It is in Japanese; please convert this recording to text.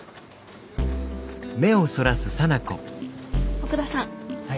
奥田さん。